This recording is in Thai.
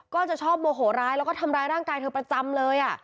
ก็จะชอบโมโหร้ายแล้วก็ทำร้ายร่างกายเธอประจำเลย